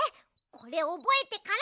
これおぼえてから！